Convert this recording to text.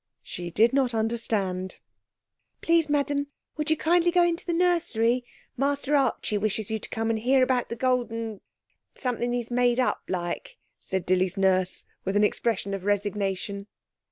She did not understand. 'Please, Madam, would you kindly go into the nursery; Master Archie wishes you to come and hear about the golden something he's just made up like,' said Dilly's nurse with an expression of resignation.